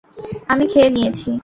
আমি খেয়ে নিয়েছি।